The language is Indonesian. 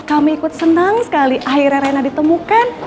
kami ikut senang sekali akhirnya rena ditemukan